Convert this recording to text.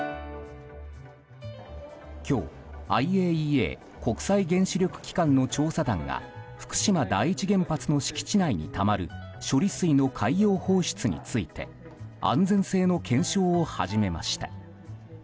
今日、ＩＡＥＡ・国際原子力機関の調査団が福島第一原発の敷地内にたまる処理水の海洋放出について安全性の検証を始めました。